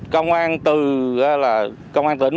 công an từ là công an tỉnh